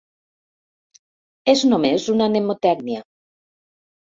És només una mnemotècnia.